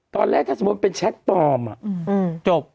ตอนแรกถ้าสมมุติเป็นแชทปลอมจบ